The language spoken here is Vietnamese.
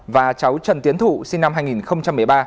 và cháu trần tiến thủ sinh năm hai nghìn một mươi ba